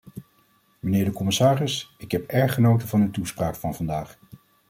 Mijnheer de commissaris, ik heb erg genoten van uw toespraak van vandaag.